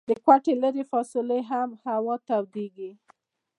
د کوټې لیري فاصلې هوا هم تودیږي.